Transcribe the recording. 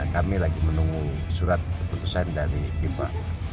kami lagi menunggu surat keputusan dari fifa